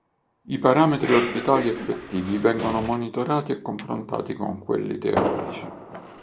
I parametri orbitali effettivi vengono monitorati e confrontati con quelli teorici.